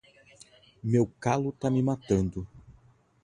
Meu calo tá me matando.